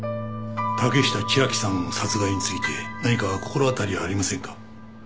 竹下千晶さん殺害について何か心当たりはありませんか？